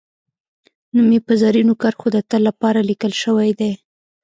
نوم یې په زرینو کرښو د تل لپاره لیکل شوی دی